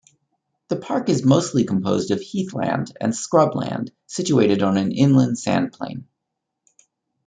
The park is mostly composed of heathland and scrubland situated on an inland sandplain.